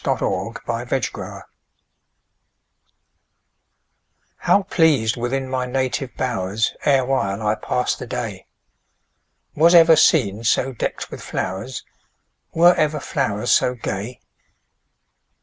Note: "landskip" means "landscape"] HOW pleas'd within my native bowers Erewhile I pass'd the day! Was ever scene so deck'd with flowers? Were ever flowers so gay?